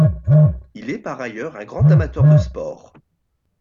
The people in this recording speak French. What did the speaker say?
Il est par ailleurs un grand amateur de sport.